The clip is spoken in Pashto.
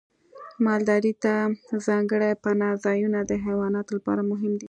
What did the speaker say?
مالدارۍ ته ځانګړي پناه ځایونه د حیواناتو لپاره مهم دي.